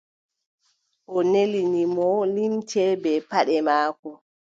O nelini mo limcel bee paɗe maako.